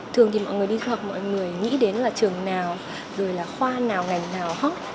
thường thì mọi người đi du học mọi người nghĩ đến là trường nào rồi là khoa nào ngành nào hot